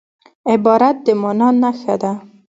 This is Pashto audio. عبارت د مانا نخښه ده.